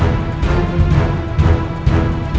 aku akan menang